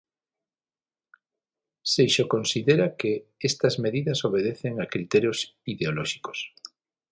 Seixo considera que "estas medidas obedecen a criterios ideolóxicos".